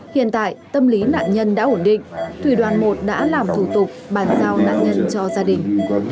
hiện tại tâm lý nạn nhân đã ổn định thủy đoàn một đã làm thủ tục bàn giao nạn nhân cho gia đình